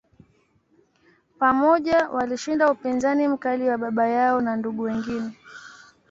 Pamoja, walishinda upinzani mkali wa baba yao na ndugu wengine.